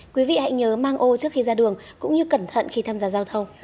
quý vị hãy nhớ mang ô trước khi ra đường cũng như cẩn thận khi tham gia giao thông